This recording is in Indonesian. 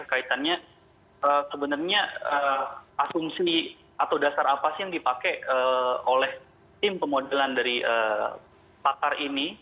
kaitannya sebenarnya asumsi atau dasar apa sih yang dipakai oleh tim pemodelan dari pakar ini